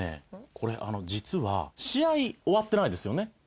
これあの実は試合終わってないですよね。